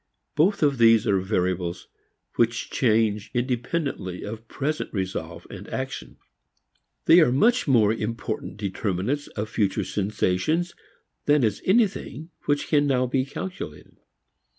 Both of these are variables which change independently of present resolve and action. They are much more important determinants of future sensations than is anything which can now be calculated.